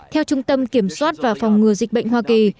theo trung tâm kiểm soát và phòng ngừa dịch bệnh hoa kỳ